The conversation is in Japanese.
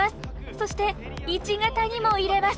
そして１型にも入れます。